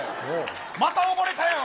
また溺れたよ。